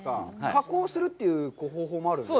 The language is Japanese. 加工するという方法もあるんですか。